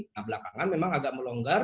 nah belakangan memang agak melonggar